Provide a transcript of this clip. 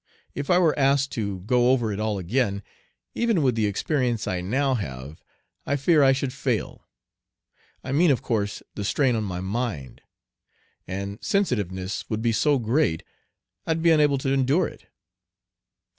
If I were asked to go over it all again, even with the experience I now have, I fear I should fail. I mean of course the strain on my mind and sensitiveness would be so great I'd be unable to endure it.